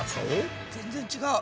全然違う。